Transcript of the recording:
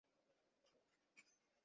কিন্তু, আমি রেগে গেছি!